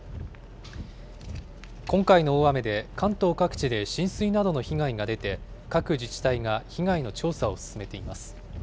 今回の大雨で、関東各地で浸水などの被害が出て、各自治体が被害の調査を進めています。